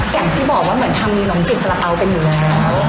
แกที่บอกว่าเหมือนทำหนมจิบสระเป๋าเป็นอยู่แล้ว